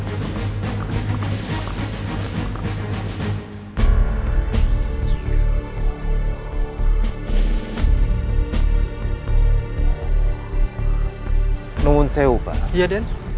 berangkat ke kudus